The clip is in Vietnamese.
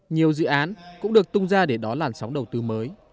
nhiều dự án cũng được tung ra để đó làn sóng đầu tư mới